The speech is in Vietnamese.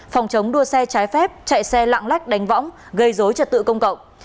phòng chống đua xe trái phép chạy xe lạng lách đánh võng gây dối trật tự công cộng